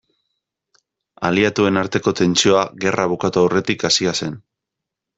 Aliatuen arteko tentsioa gerra bukatu aurretik hasia zen.